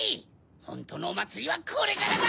ホントのおまつりはこれからだ！